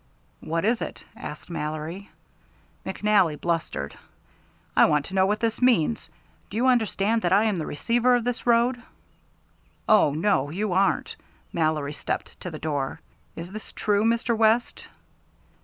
"What is it?" asked Mallory. McNally blustered. "I want to know what this means. Do you understand that I am the receiver of this road?" "Oh, no, you aren't." Mallory stepped to the door. "Is this true, Mr. West?"